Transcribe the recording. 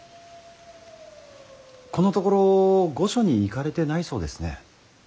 このところ御所に行かれてないそうですね。